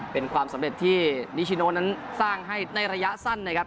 เป็นความสำเร็จที่นิชิโนนั้นสร้างให้ในระยะสั้นนะครับ